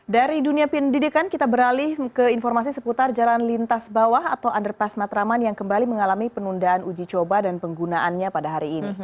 dari dunia pendidikan kita beralih ke informasi seputar jalan lintas bawah atau underpass matraman yang kembali mengalami penundaan uji coba dan penggunaannya pada hari ini